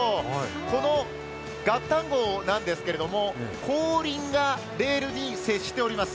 このＧａｔｔａｎＧＯ！！なんですけれども後輪がレールに接しております。